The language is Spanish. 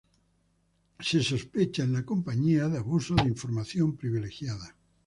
La compañía se sospecha de abuso de información privilegiada.